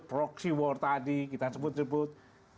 proxy war tadi kita sebut sebut